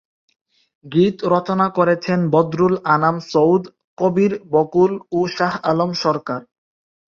গীত রচনা করেছেন বদরুল আনাম সৌদ, কবির বকুল ও শাহ আলম সরকার।